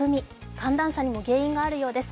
寒暖差にも原因があるようです。